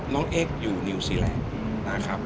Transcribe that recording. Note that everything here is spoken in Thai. เอ็กซ์อยู่นิวซีแลนด์นะครับ